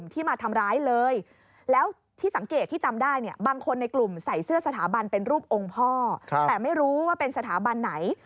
แต่ไม่รู้ว่าเป็นสถาบันไหน